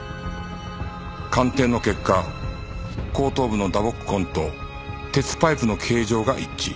鑑定の結果後頭部の打撲痕と鉄パイプの形状が一致。